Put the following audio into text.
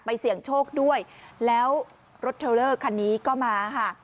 เสี่ยงโชคด้วยแล้วรถเทลเลอร์คันนี้ก็มาค่ะ